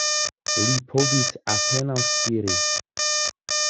Li povis apenaŭ spiri.